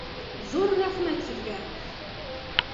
- Ҙур рәхмәт һеҙгә!